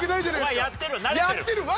お前やってるわ。